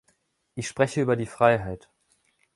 Ich spreche über die Freiheit.